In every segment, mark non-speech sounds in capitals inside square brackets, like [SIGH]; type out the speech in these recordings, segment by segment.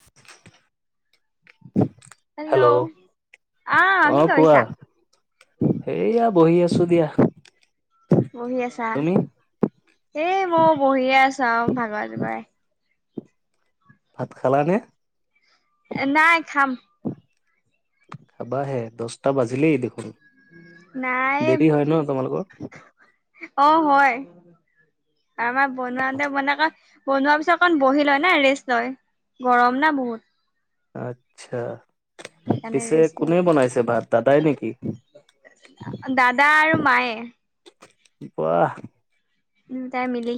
[UNINTELLIGIBLE] Hello আহ কি অঁ, কোৱা? কৰিছা সেইয়া বহি আছো দিয়া। বহি আছা তুমি এই মই বহিয়ে আছো আৰু ভাগৰে যুগৰে। ভাত খালানে? নাই খাম। খাবাাহে দহটা বাজিলেই দেখোন দেৰি হয় ন তোমালোকৰ? অঁ, হয় আমাৰ বনোৱাতে বন ক। বনোৱাৰ পিছত অকণ বহিলৈ না ৰেষ্ট হয় গৰম না বহুত। আচ্ছা সেইকাৰণে পিছে ৰেষ্ট লয় কোনে বনাইছে ভাত দাদাই নেকি? দাদা আৰু মায়ে। বাহ। দুইতাই মিলি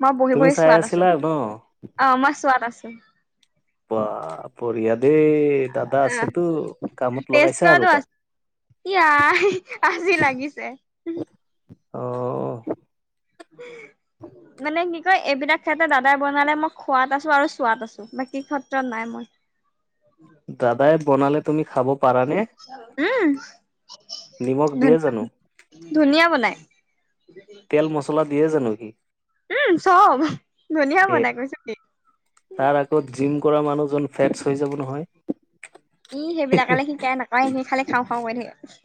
মই বহি তুমি বহি চাই চোৱাত আছো। আছিলা ন অঁ মই ছোৱাত আছোঁ। বা বঢ়িয়া দেই দাদা অ আছেতো কামত লগাইছা আৰু তাক। য়াই আজি লাগিছে। অ। মানে কি কয় এইবিলাক ক্ষেত্ৰত দাদাই বনালে মই খোৱাত আছো আৰু চোৱাত আছো। বাকী ক্ষেত্ৰত নাই মই। দাদাই বনালে তুমি খাব পাৰানে? উম নিমখ দিয়ে জানো ধুনিয়া বনাই। তেল মচল। লা দিয়ে জানো সি? উম চব ধুনীয়া এ বনাই কৈছো কি। তাৰ আগত জিম কৰা মানুহজন ফেটছ হৈ যাব নহয়। ই সেইবিলাকলে হি কেয়াৰ নকৰে সি খালি খাওঁ খাওঁ কৈ থাকে।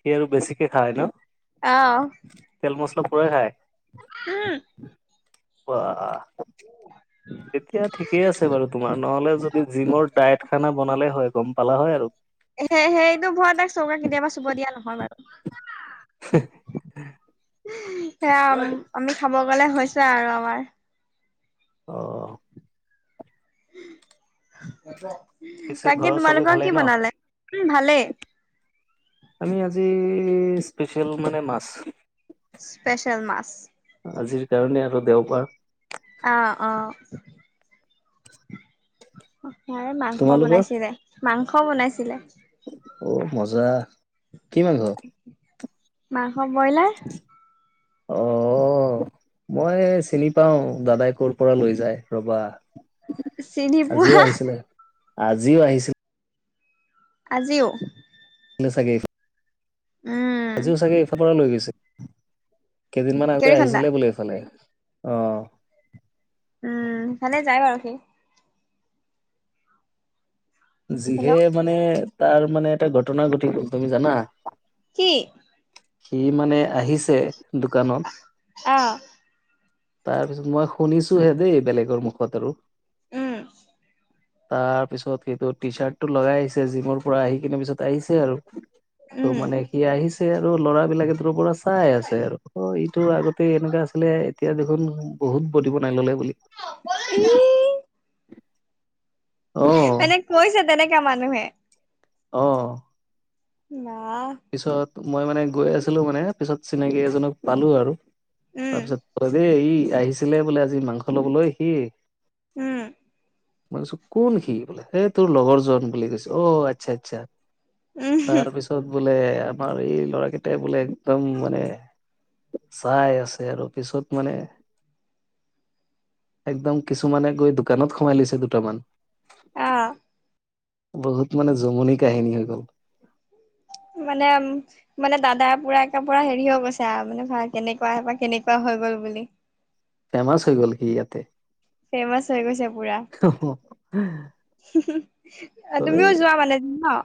সি আৰু বেছিকে খায় ন? অঁ। তেল মছলা পুৰা খাই। উম ৱাঅঅ উ তেতিয়া ঠিকেই আছে বাৰু তোমাৰ নহলে যদি জিমৰ ডাইট খানা বনালে হয় গম পালা হয় আৰু সেই সেইটো ভয়তে চৌকা কেতিয়াবা চুব দিয়া নহয় বাৰু [UNINTELLIGIBLE] সেয়া আমি খাব গলে হৈছে আৰু আমাৰ অঁ পিছে তাকে ঘৰৰ চবে তোমালোকৰ ভালেই কি ন বনালে উম ভালেই আমি আজি স্পেচিয়েল মানে মাছ স্পেচিয়েল মাছ আজিৰ কাৰণে আৰু দেওবাৰ আ অ আমাৰ মাংস তোমালোকৰ বনাইছিলে মাংস বনাইছিলে অ মজা কি মাংস মাংস ব্ৰইলাৰ অ মই চিনি পাও দাদাই কৰ পৰা লৈ যায় ৰবা চিনি আজিও পোৱা আহিছিলে আজিও আহিছি আজিও চাগে উম আজিও চাগে ইফাল পৰা লৈ গৈছে কেইদিনমান আগতে কেৰি খন্দা আহিছিলে বুলে এইফালে অ উম সেইফালে যায় বাৰু সি যিহে হেল্ল' মানে তাৰ মানে এটা ঘটনা ঘটি গ'ল তুমি জানা কি সি মানে আহিছে দোকানত অ তাৰপিছত মই শুনিছোহে দেই বেলেগৰ মুখত আৰু উম তাৰ পিছত সেইটো টি চাৰ্ট টো লগাই আহিছে জিমৰ পৰা আহি কিনে পিছত ত আহিছে আৰু ত' উম মানে সি আহিছে আৰু ল'ৰা বিলাকে দূৰ পৰা চাই আছে আৰু অ ইটো আগতে এনেকুৱা আছিলে এতিয়া দেখোন বহুত বডি বনাই ললে বুলি উম অ মানে কৈছে তেনেকা মানুহে অ না পিছত মই মানে গৈ আছিলো মানে পিছত চিনাকি এজনক পালো আৰু উম তাৰপিছত কলে ই আহিছিলে বোলে আজি মাংস লবলৈ সি উম মই কৈছো কোন সি বোলে হে তোৰ লগৰ জন বুলি কৈছে অ আচ্ছা আচ্ছা উম তাৰ পিছত বোলে আমাৰ এই ল'ৰা কেইটাই বোলে একদম মানে চাই আছে আৰু পিছত মানে একদম কিছুমানে গৈ দোকানত সোমাই লৈছে দুটামান অ বহুত মানে জমনি কাহিনী হৈ গল মানেম মানে দাদাই পুৰা একে পুৰা হেৰি হৈ গৈছে আও মানে ভা কেনেকুৱা পা কেনেকুৱা হৈ গ'ল বুলি ফেমাচ হৈ গ'ল সি ইয়াতে ফেমাচ হৈ গৈছে পুৰা। উম, তুমিও যোৱা মানে ন?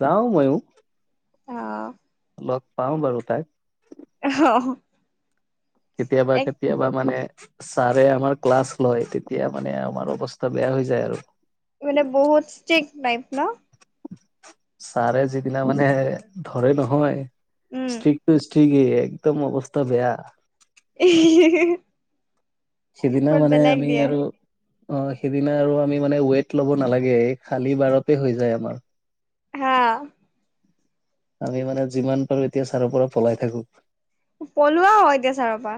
যাওঁ ময়ো। অ, লগ পাওঁ বাৰু তাইক। অঁ, হ কেতিয়াবা কেতিয়াবা মানে ছাৰে আমাৰ ক্লাছ লয় তেতিয়া মানে আমাৰ অৱস্থা বেয়া হৈ যায় আৰু। মানে বহুত ষ্টিক নাইপ ন। ছাৰে, যিদিনা মানে ধৰে নহয় ষ্ট্ৰিকটো ষ্ট্ৰিকেই একদম অৱস্থা বেয়া। [UNINTELLIGIBLE] সেইদিনা বহুত মানে বেলেগ আমি দিয়ে আৰু অ সেইদিনা আৰু আমি মানে ৱেট ল'ব নালাগে খালি বাৰতে হৈ যায় আমাৰ। হা আমি মানে যিমান পাৰো এতিয়া ছাৰৰ পৰা পলাই থাকো। পলোৱাও হয় এতিয়া ছাৰৰ পৰা।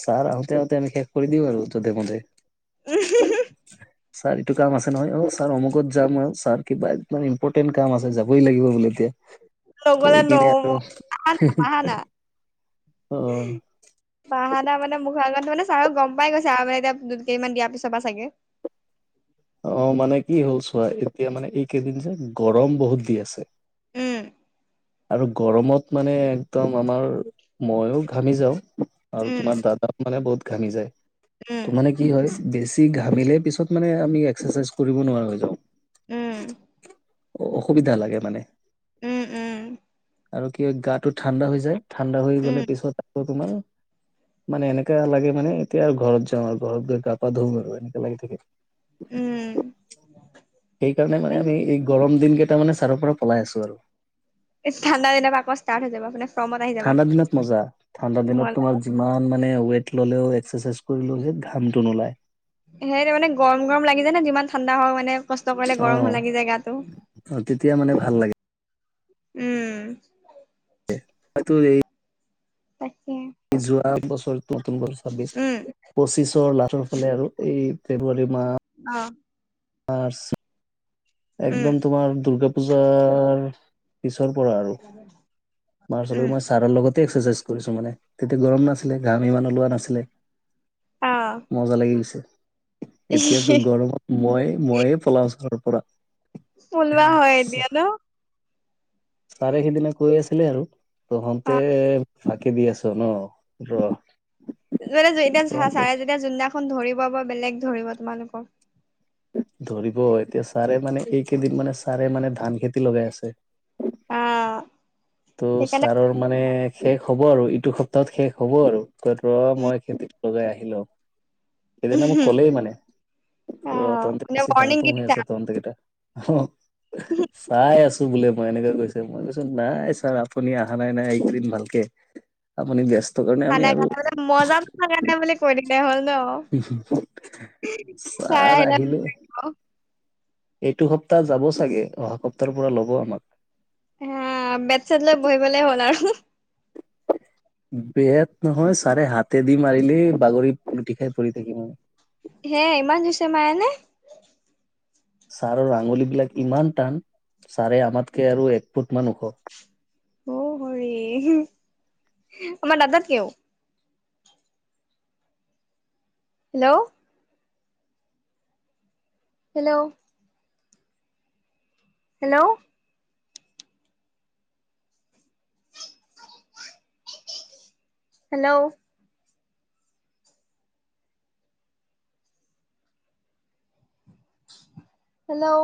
ছাৰ আহোতে, আহোতে আমি শেষ কৰি দিওঁ আৰু যধে, মধে। [UNINTELLIGIBLE] ছাৰ, এইটো কাম আছে নহয় অ ছাৰ অমুকত যাম ছাৰ কিবা ইমান ইম্পৰ্টেণ্ট কাম আছে যাবই লাগিব বুলি এতিয়া। কৈ লবলে কিনে নহব আৰু [UNINTELLIGIBLE] অ, বাহানা মানে মুখৰ আগত মানে ছাৰক গম পাই গৈছে আৰু মানে এতিয়া দুই কেইদিনমান দিয়াৰ পাছৰ পৰা চাগে। অ মানে কি হ'ল চোৱা এতিয়া মানে এইকেইদিন যে গৰম বহুত দি আছে। উম, আৰু গৰমত মানে একদম আমাৰ মইয়ো ঘামি যাওঁ। আৰু উম তোমাৰ দাদা, মানে বহুত ঘামি যায় উম ত মানে কি হয় বেছি ঘামিলে পিছত মানে আমি এক্সাৰচাইজ কৰিব নোৱাৰা হৈ যাওঁ। উম, অ, অসুবিধা লাগে মানে। উম, উম, আৰু কি হয় গাটো ঠাণ্ডা হৈ যায় ঠাণ্ডা হৈ গলে উম পিছত আকৌ তোমাৰ মানে এনেকা লাগে মানে এতিয়া ঘৰত যাওঁ আৰু ঘৰত গৈ গা পা ধুম আৰু এনেকা লাগি থাকে। উম, সেইকাৰণে মানে উম আমি এই গৰম দিন কেইটা মানে ছাৰৰ পৰা পলাই আছো আৰু। ঠণ্ডা দিনৰ পৰা আক ষ্টাৰ্ট হৈ যাব আপোনা ঠাণ্ডা দিনত মজা ঠাণ্ডা দিনত তোমাৰ যিমান মানে ৱেট ল'লেও এক্সাৰচাইজ কৰিলো যে ঘামটো নোলায়। সেই তাৰ মানে গৰম গৰম লাগি যায় ন যিমান ঠাণ্ডা হওক মানে কষ্ট কৰিলে গৰম হ লাগি যায় গাটো অ তেতিয়া মানে ভাল লাগে। উম, তোৰ এই তাকে। যোৱা বছৰ নতুন ছাব্বিশ উম পঁচিশৰ লাষ্টৰ ফালে আৰু এই ফেব্ৰুৱাৰী মাহ অ, উম একদম তোমাৰ দুূৰ্গা পূজাৰ পিছৰ পৰা আৰু উম মাৰ্চলৈ মই ছাৰৰ লগতে এক্সাৰচাইজ কৰিছো মানে তেতিয়া গৰম নাছিলে ঘাম ইমান ওলোৱা নাছিলে। মজা লাগি গৈছে অ এতিয়াতো গৰমত মই মই পলাওঁ চৰৰ পৰা লোৱা হয় এতিয়া ন। চাৰে সিদিনা কৈ আছিলে আৰু অ তহতে ফাঁকি দি আছ ন ৰ। যেতিয়া তহঁতে চাৰে যেতিয়া জোনদিনাখন ধৰিব বা বেলেগ ধৰিব তোমালোকৰ ধৰিব এতিয়া ছাৰে মানে এইকেইদিন মানে ছাৰে মানে ধান খেতি লগাই আছে। আহ ত' সেইকাৰণে ছাৰৰ মানে শেষ হ'ব আৰু ইটো সপ্তাহত শেষ হ'ব আৰু। ক ৰ উম মই খেতিত লগাই আহিলো এদিন মাক উম ক'লেই মানে অ তন্ত মানে বেছি ভাং ৱৰ্ণিং ফুং দি হৈ দিছা আছে তন্তকেইটা। অ চাই আছো বোলে মই এনেকুৱে কৈছে মই কৈছো। নাই ছাৰ আপুনি অহা নাই নাই এইকদম ভালকে আপুনি ব্যস্ত কাৰণে আমি আৰু [UNINTELLIGIBLE] ছাৰা ছাৰ আহিলে আহিল। এইটো সপ্তাহ যাব চাগে অহা সপ্তাহৰ পৰা লব আমাক। হ বেট চেট লৈ বহিবলে হ'ল আৰু। বেয়াত নহয় চাৰে হাতে দি মাৰিলে বাগৰিত পলটি খাই পৰি থাকিম আৰু। হে ইমান জছে মায়েনে। ছাৰৰ আঙুলি বিলাক ইমান টান ছাৰে আমাতকে আৰু এক ফুট মান ওখ। অ হৰি আমাৰ দাদাত কও। Hello, hello, hello, hello, hello